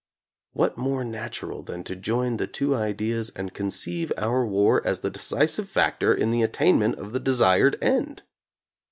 What more natural than to join the two ideas and conceive our war as the decisive factor in the attainment of the desired end